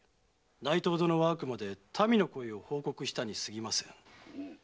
内藤殿はあくまで民の声を報告したに過ぎません。